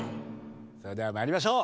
それでは参りましょう。